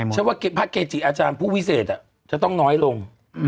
ฉันว่าพระเกจิอาจารย์ผู้วิเศษจะต้องน้อยลง